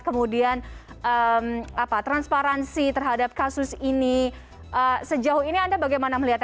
kemudian transparansi terhadap kasus ini sejauh ini anda bagaimana melihatnya